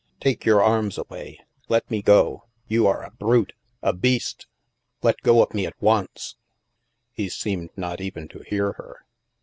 Take your arms away; let me go! You are a brute, a beast! Let go of me at once! " He seemed not even to hear her.